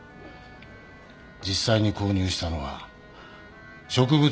実際に購入したのは植物